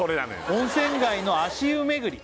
「温泉街の足湯巡り」